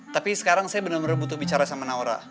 tapi sekarang saya bener bener butuh bicara sama naura